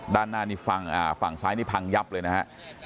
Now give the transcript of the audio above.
ด้านหน้านี่ฝั่งซ้ายนี่พังยับเลยนะฮะ